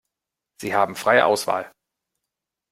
Sie haben freie Auswahl.